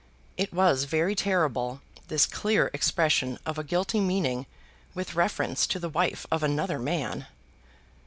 It was very terrible, this clear expression of a guilty meaning with reference to the wife of another man!